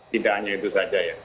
tidak hanya itu saja ya